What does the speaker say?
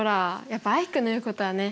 やっぱアイクの言うことはね